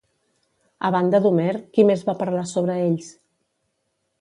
A banda d'Homer, qui més va parlar sobre ells?